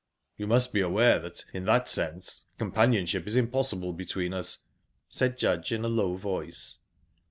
"You must be aware that, in that sense, companionship is impossible between us," said Judge, in a low voice.